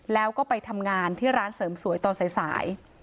แล้วก็ไปทำงานที่ร้านเสริมสวยตอนสาย